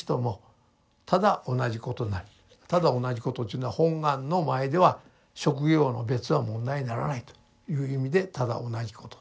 「ただおなじこと」というのは本願の前では職業の別は問題にならないという意味でただ同じこと。